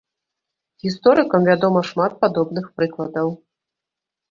Гісторыкам вядома шмат падобных прыкладаў.